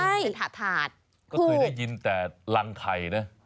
ใช่เสียทาทาธารพูดก็เคยได้ยินแต่รังไข่นะ